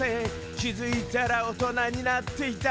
気づいたら大人になっていた